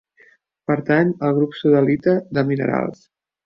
Pertany al grup sodalita de minerals.